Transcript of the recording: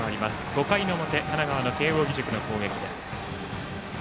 ５回の表神奈川・慶応義塾の攻撃。